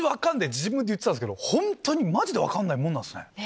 自分で言ってたんですけど本当にマジで分かんないもんなんすね。